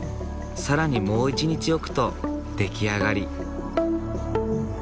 更にもう一日置くと出来上がり。